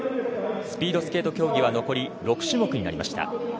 スピードスケート競技は残り６種目になりました。